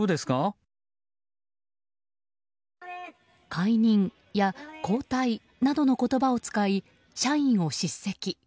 解任や交代などの言葉を使い社員を叱責。